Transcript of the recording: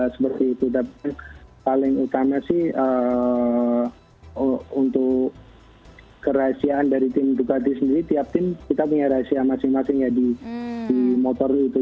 seperti itu tapi paling utama sih untuk kerahasiaan dari tim ducati sendiri tiap tim kita punya rahasia masing masing ya di motor itu